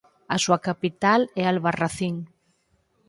A súa capital é Albarracín.